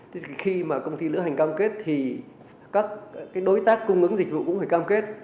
thế thì khi mà công ty lữ hành cam kết thì các đối tác cung ứng dịch vụ cũng phải cam kết